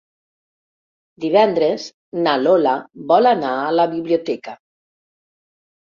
Divendres na Lola vol anar a la biblioteca.